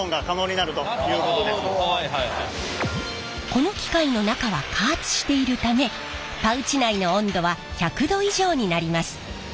この機械の中は加圧しているためパウチ内の温度は１００℃以上になります。